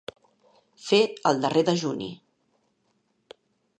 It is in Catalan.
Fer el darrer dejuni.